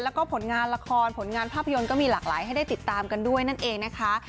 แล้วก็ผลงานละครผลงานภาพยนตร์ก็มีหลากหลายให้ได้ติดตามกันด้วยนั่นเองนะคะ